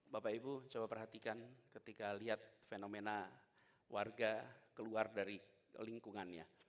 bapak ibu coba perhatikan ketika lihat fenomena warga keluar dari lingkungannya